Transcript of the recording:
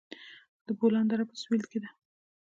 د بولان دره په سویل کې ده